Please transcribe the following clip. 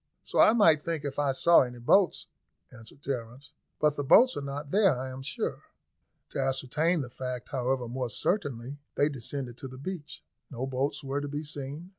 "So I might think if I saw any boats," answered Terence. "But the boats are not there, I am sure." To ascertain the fact, however, more certainly, they descended to the beach. No boats were to be seen.